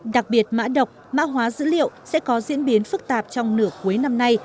đặc biệt mã độc mã hóa dữ liệu sẽ có diễn biến phức tạp trong nửa cuối năm nay